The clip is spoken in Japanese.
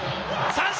三振！